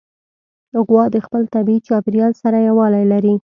غوا د خپل طبیعي چاپېریال سره یووالی لري.